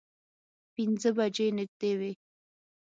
پینځه بجې نږدې وې.